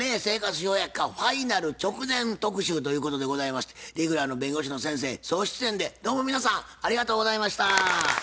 「生活笑百科ファイナル直前特集」ということでございましてレギュラーの弁護士の先生総出演でどうも皆さんありがとうございました。